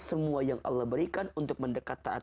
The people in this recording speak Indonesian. semua yang allah berikan untuk mendekat taat